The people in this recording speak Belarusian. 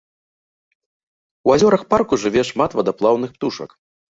У азёрах парку жыве шмат вадаплаўных птушак.